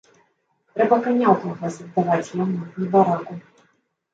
Трэба каня ў калгас аддаваць яму, небараку.